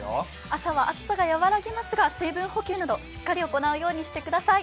朝は暑さが和らぎますが、水分補給などしっかり行うようにしてください。